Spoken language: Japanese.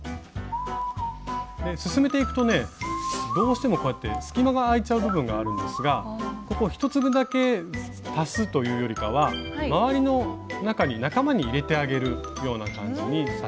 進めていくとねどうしてもこうやって隙間があいちゃう部分があるんですがここ１粒だけ足すというよりかは周りの中に仲間に入れてあげるような感じに刺していきたいと思います。